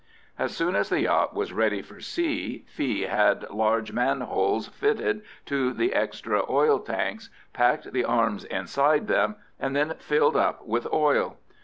As soon as the yacht was ready for sea, Fee had large man holes fitted to the extra oil tanks, packed the arms inside them, and then filled up with oil.